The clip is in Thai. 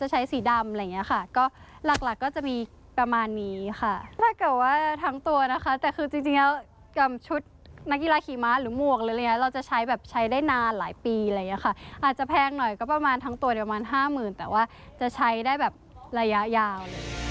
แล้วก็มีบูตรขือมีบูตรยาว